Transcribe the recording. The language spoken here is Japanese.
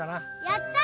やった！